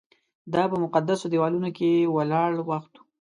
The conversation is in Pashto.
دا په مقدسو دیوالونو کې ولاړ وخت و.